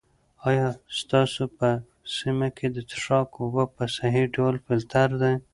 آیا ستاسو په سیمه کې د څښاک اوبه په صحي ډول فلټر دي؟